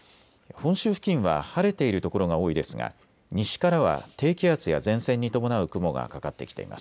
本州付近は晴れている所が多いですが西からは低気圧や前線に伴う雲がかかってきています。